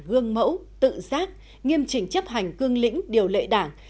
gương mẫu tự giác nghiêm chỉnh chấp hành cương lĩnh điều lệ đảng